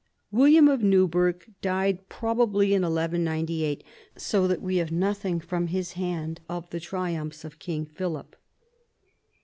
William of Newburgh died probably in 1198, so that we have nothing from his hand of the triumphs of King Philip.